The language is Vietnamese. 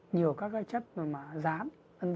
nhiều các cái chất mà giám